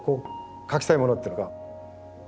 描きたいものっていうのが。